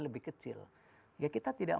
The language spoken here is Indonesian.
lebih kecil ya kita tidak